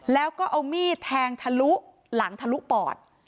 แล้วก็เอามีดแทงทะลุหลังทะลุปอด